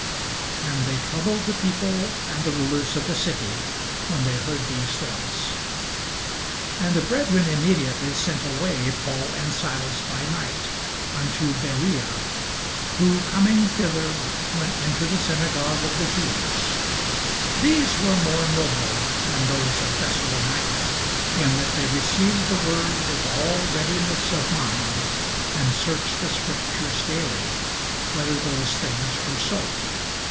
And they troubled the people and the rulers of the city, when they heard these things. [Sidenote: The Acts 17] And the brethren immediately sent away Paul and Silas by night unto Berea: who coming thither went into the synagogue of the Jews. These were more noble than those in Thessalonica, in that they received the word with all readiness of mind, and searched the scriptures daily, whether those things were so.